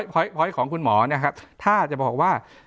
พอยต์ของคุณหมอนะครับถ้าจะบอกว่า